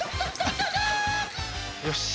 よし。